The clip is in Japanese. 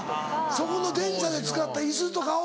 そこの電車で使った椅子とかを。